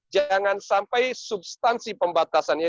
jangan sampai substansi pembatasannya